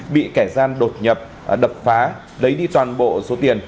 bị kẻ gian đột nhập đập phá lấy đi toàn bộ số tiền